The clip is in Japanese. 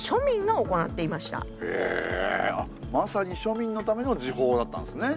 まさに庶民のための時報だったんですね。